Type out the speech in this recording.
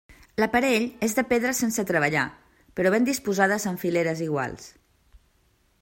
L'aparell és de pedres sense treballar però ben disposades en fileres iguales.